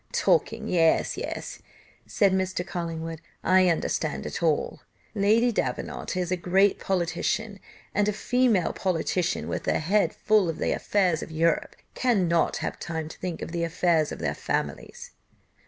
"Talking! yes, yes!" said Mr. Collingwood, "I understand it all Lady Davenant is a great politician, and female politicians, with their heads full of the affairs of Europe, cannot have time to think of the affairs of their families."